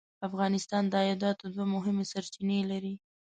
افغانستان د عایداتو دوه مهمې سرچینې لري.